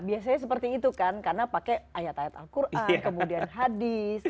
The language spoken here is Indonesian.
biasanya seperti itu kan karena pakai ayat ayat al quran kemudian hadis